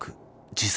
自殺？